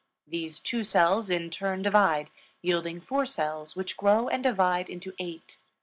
These two cells in turn divide, yielding four cells which grow and divide into eight.